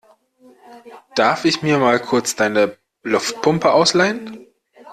Darf ich mir mal kurz deine Luftpumpe ausleihen?